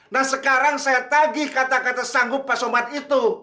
nah sekarang saya tagih kata kata sanggup pak somad itu